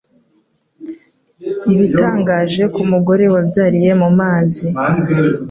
Ibitangaje ku mugore. wabyariye mumazi